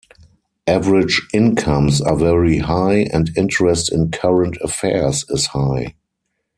Average incomes are very-high and interest in current affairs is high.